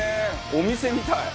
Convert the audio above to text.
お店みたい！